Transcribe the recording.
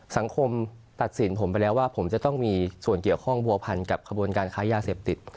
สังคมตัดสินผมไปแล้วว่าผมจะต้องมีส่วนเกี่ยวข้องบัวพันกับขบวนการค้ายาเสพติด